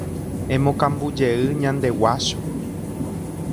Emokambujey ñande guácho